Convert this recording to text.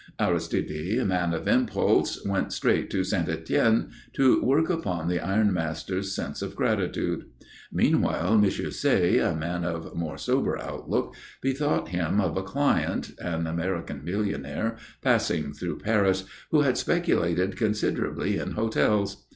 Aristide, man of impulse, went straight to St. Étienne, to work upon the ironmaster's sense of gratitude. Meanwhile, M. Say, man of more sober outlook, bethought him of a client, an American millionaire, passing through Paris, who had speculated considerably in hotels.